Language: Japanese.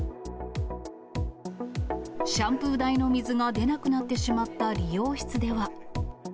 シャンプー台の水が出なくなってしまった理容室では。